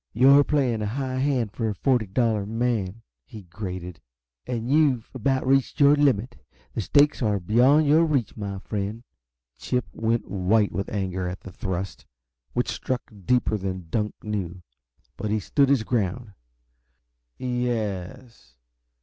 "You're playing a high hand for a forty dollar man," he grated, "and you've about reached your limit. The stakes are beyond your reach, my friend." Chip went white with anger at the thrust, which struck deeper than Dunk knew. But he stood his ground. "Ye es?